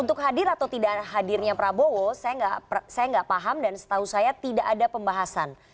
untuk hadir atau tidak hadirnya prabowo saya nggak paham dan setahu saya tidak ada pembahasan